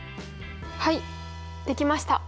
はいできました。